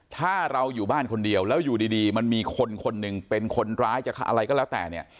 ถ้าเราอยู่บ้านคนเดียวแล้วอยู่ดีมันมีคนคนหนึ่งเป็นคนร้ายจะอะไรก็แล้วแต่เนี่ย